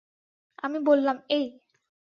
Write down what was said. আমি বললাম, এই!